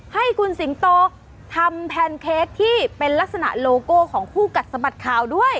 ให้คุณสิงโตทำแพนเค้กที่เป็นลักษณะโลโก้ของคู่กัดสะบัดข่าวด้วย